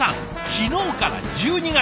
昨日から１２月。